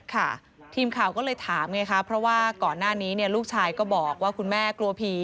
ค่ะทีมข่าวก็เลยถามไงคะเพราะว่าก่อนหน้านี้ลูกชายก็บอกว่าคุณแม่กลัวผี